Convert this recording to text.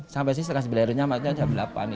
sampai sini setelah beli airnya makanya jam delapan